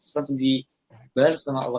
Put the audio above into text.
seperti dibalik sama allah